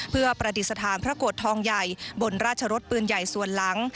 เพื่อประดิษฐานพระโกรธทองใหญ่บนราชรสปืนใหญ่ส่วนหลัง